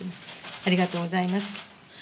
ありがとうございます。